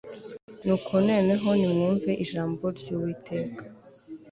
nuko noneho nimwumve ijambo ry'uwiteka